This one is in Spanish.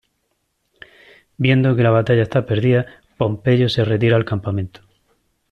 Viendo que la batalla está perdida, Pompeyo se retira al campamento.